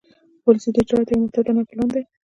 پالیسي د اجرااتو یو محتاطانه پلان دی.